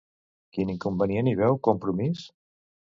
Quin inconvenient hi veu Compromís?